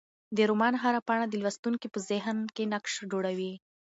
د رومان هره پاڼه د لوستونکي په ذهن کې نقش جوړوي.